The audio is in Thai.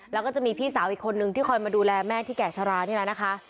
แล้วก็จะมีพี่สาวอีกคนนึงที่คอยมาดูแลแม่ที่แก่ชะลานี่แหละนะคะ